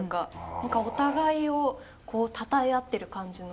お互いをたたえ合ってる感じの。